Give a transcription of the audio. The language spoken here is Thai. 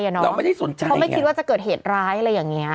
เพราะไม่คิดว่าจะเกิดเหตุร้าย